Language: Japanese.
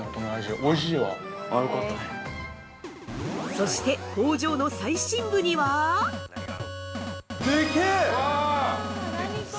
◆そして、工場の最深部には。◆デケー！